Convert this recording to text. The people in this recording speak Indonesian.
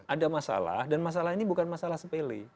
ada masalah dan masalah ini bukan masalah sepele